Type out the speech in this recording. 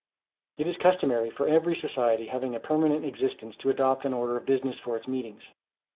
It is customary for every society having a permanent existence, to adopt an order of business for its meetings.